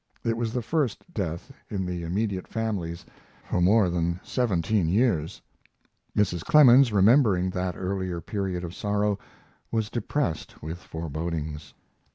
It was the first death in the immediate families for more than seventeen years, Mrs. Clemens, remembering that earlier period of sorrow, was depressed with forebodings.